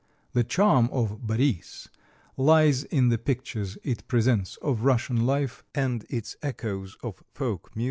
The charm of "Boris" lies in the pictures it presents of Russian life, and its echoes of folk music.